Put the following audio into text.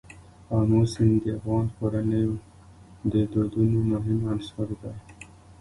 آمو سیند د افغان کورنیو د دودونو مهم عنصر دی.